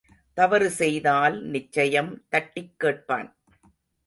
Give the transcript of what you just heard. தவறு செய்தால், நிச்சயம் தட்டிக் கேட்பான்.